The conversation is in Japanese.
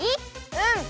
うん！